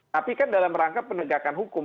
tapi kan dalam rangka penegakan hukum